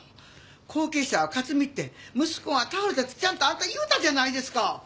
後継者は克巳って息子が倒れたときちゃんとあんた言うたじゃないですか！